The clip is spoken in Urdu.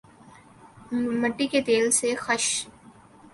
مٹی کے تیل سے خش